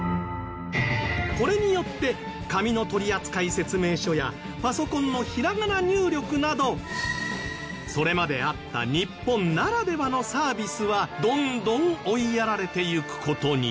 これによって紙の取扱説明書やパソコンのひらがな入力などそれまであった日本ならではのサービスはどんどん追いやられていく事に